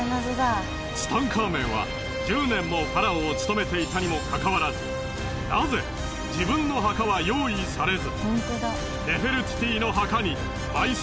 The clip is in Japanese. ツタンカーメンは１０年もファラオを務めていたにもかかわらずなぜ自分の墓は用意されず。